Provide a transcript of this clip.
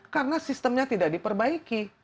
karena sistemnya tidak diperbaiki